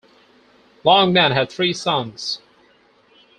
Longman had three sons.